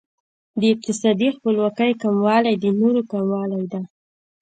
د اقتصادي خپلواکۍ کموالی د نورو کموالی دی.